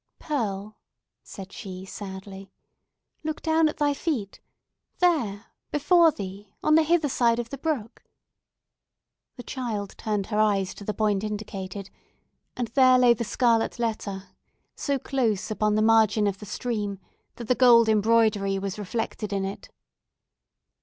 "Pearl," said she sadly, "look down at thy feet! There!—before thee!—on the hither side of the brook!" The child turned her eyes to the point indicated, and there lay the scarlet letter so close upon the margin of the stream that the gold embroidery was reflected in it.